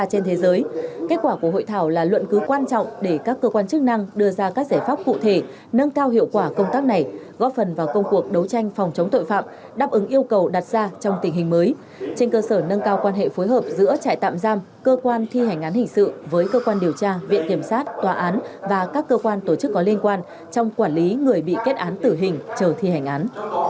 hà nội để các cơ quan chức năng đưa ra các giải pháp cụ thể nâng cao hiệu quả công tác này góp phần vào công cuộc đấu tranh phòng chống tội phạm đáp ứng yêu cầu đặt ra trong tình hình mới trên cơ sở nâng cao quan hệ phối hợp giữa trại tạm giam cơ quan thi hành án hình sự với cơ quan điều tra viện kiểm sát tòa án và các cơ quan tổ chức có liên quan trong quản lý người bị kết án tử hình chờ thi hành án